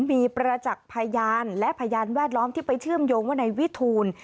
มีประจักษ์พยานและพยานแวดล้อมที่ไปเชื่อมโยงว่านายวิทูล